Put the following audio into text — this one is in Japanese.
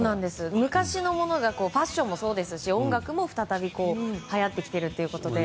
昔のものがファッションもそうですし音楽も再びはやってきているということで。